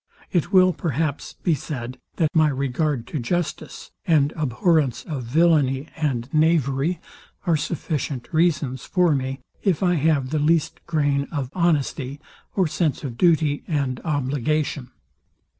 It will, perhaps, be said, that my regard to justice, and abhorrence of villainy and knavery, are sufficient reasons for me, if I have the least grain of honesty, or sense of duty and obligation.